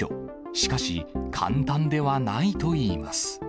しかし、簡単ではないといいます。